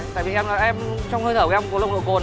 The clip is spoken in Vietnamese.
tại vì em trong hơi thở của em có lông nội cồn